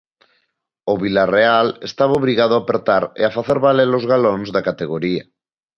O Vilarreal estaba obrigado a apertar e a facer valer os galóns da categoría.